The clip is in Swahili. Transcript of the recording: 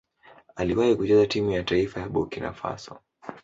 Aliwahi kucheza timu ya taifa ya Burkina Faso.